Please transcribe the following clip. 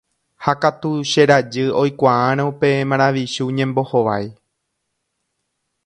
Ha katu che rajy oikuaárõ pe maravichu ñembohovái.